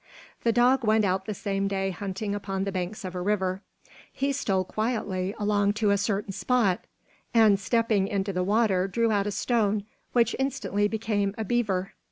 The dog went out the same day hunting upon the banks of a river. He stole quietly along to a certain spot, and stepping into the water drew out a stone, which instantly became a beaver.